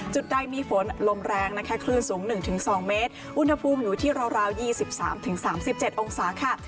จุดใดมีฝนลมแรงนะคะคลื่นสูง๑๒เมตรอุณหภูมิอยู่ที่ราว๒๓๓๗องศาค่ะ